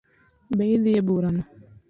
Be idi e bura no?